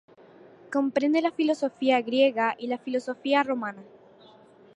Comprende la filosofía griega y la filosofía romana.